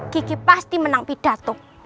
kiki pasti menang pidato